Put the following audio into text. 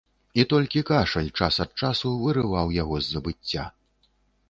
І толькі кашаль час ад часу вырываў яго з забыцця.